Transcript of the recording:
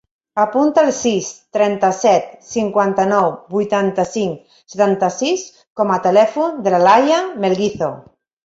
Apunta el sis, trenta-set, cinquanta-nou, vuitanta-cinc, setanta-sis com a telèfon de l'Alaia Melguizo.